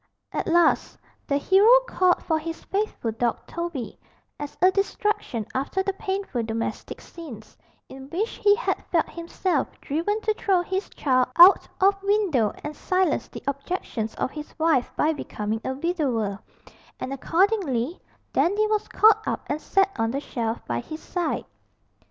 At last the hero called for his faithful dog Toby, as a distraction after the painful domestic scenes, in which he had felt himself driven to throw his child out of window and silence the objections of his wife by becoming a widower, and accordingly Dandy was caught up and set on the shelf by his side.